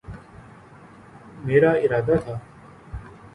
میرا ارادہ تھا